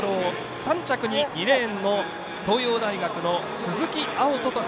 ３着に２レーンの東洋大学の鈴木碧斗。